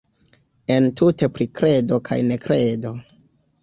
Entute pri kredo kaj nekredo.